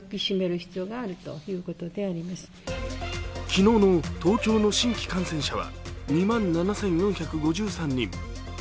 昨日の東京の新規感染者は２万７４５３人。